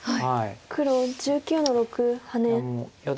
黒１９の六ハネ。